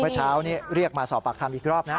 เมื่อเช้านี้เรียกมาสอบปากคำอีกรอบนะ